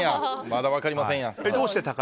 まだ分かりませんやん。